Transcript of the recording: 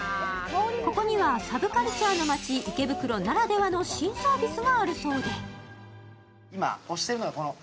ここにはサブカルチャーの街・池袋ならではの新サービスがあるそうで。